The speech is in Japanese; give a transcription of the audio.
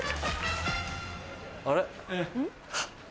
あれ？